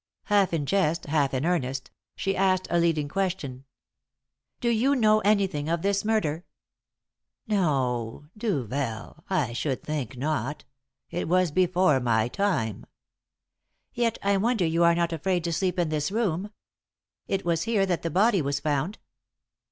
Half in jest, half in earnest, she asked a leading question. "Do you know anything of this murder?" "No. Duvel! I should think not. It was before my time." "Yet I wonder you are not afraid to sleep in this room. It was here that the body was found."